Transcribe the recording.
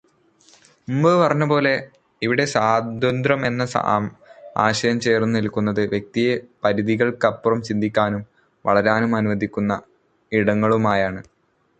മുൻപ് പറഞ്ഞതുപോലെ, ഇവിടെ സ്വാതന്ത്ര്യം എന്ന ആശയം ചേർന്ന് നിൽക്കുന്നത് വ്യക്തിയെ പരിധികൾക്കപ്പുറം ചിന്തിക്കാനും വളരാനും അനുവദിക്കുന്ന ഇടങ്ങളുമായാണ്.